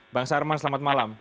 bang sarman selamat malam